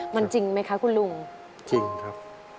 มันจริงไหมคะคุณลุงจริงครับคุณลุงใช่